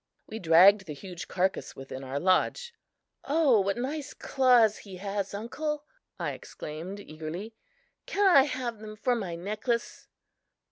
We dragged the huge carcass within our lodge. "O, what nice claws he has, uncle!" I exclaimed eagerly. "Can I have them for my necklace?"